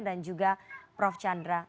dan juga prof chandra yoga aditama